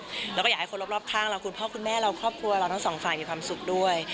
เราก็อยากให้คนรอบข้างเราคุณพ่อคุณแม่เราครอบครัวเราทั้งสองฝ่ายมีความสุขด้วย